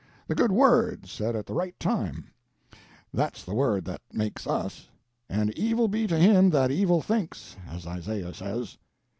The good word, said at the right time, that's the word that makes us; and evil be to him that evil thinks, as Isaiah says."